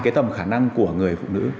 cái tầm khả năng của người phụ nữ